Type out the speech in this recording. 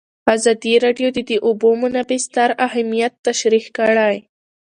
ازادي راډیو د د اوبو منابع ستر اهميت تشریح کړی.